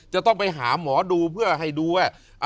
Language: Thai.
จะต้องไปหาหมอดูเพื่อให้ดูว่า